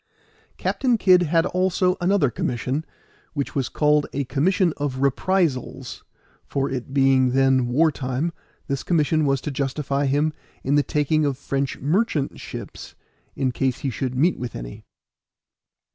Captain Kid had also another commission, which was called a Commission of Reprisals; for it being then war time, this commission was to justify him in the taking of French merchant ships, in case he should meet with any.